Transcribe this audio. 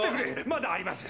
まだあります